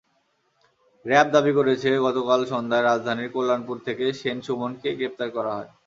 RAB দাবি করেছে, গতকাল সন্ধ্যায় রাজধানীর কল্যাণপুর থেকে সেন সুমনকে গ্রেপ্তার করা হয়।